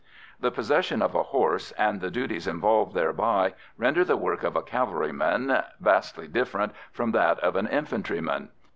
The possession of a horse and the duties involved thereby render the work of a cavalryman vastly different from that of an infantryman.